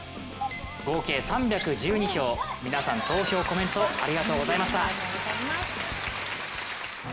合計３１２票、皆さん、投票コメントありがとうございました。